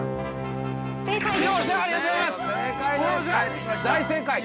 ◆正解です。